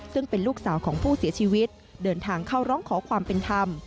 ซึ่งเป็นลูกสาวของผู้เสียชีวิตเดินทางเข้าร้องขอความเป็นธรรม